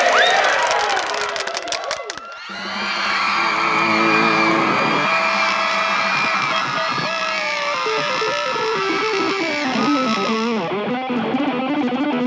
โอ้เว้ย